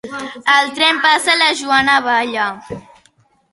El tren passa i la Joana balla.